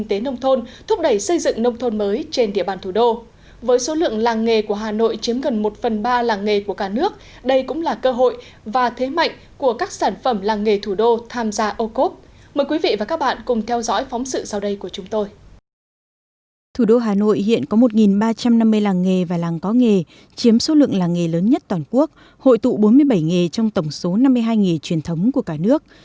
thủ đô hà nội hiện có một ba trăm năm mươi làng nghề và làng có nghề chiếm số lượng làng nghề lớn nhất toàn quốc hội tụ bốn mươi bảy nghề trong tổng số năm mươi hai nghề truyền thống của cả nước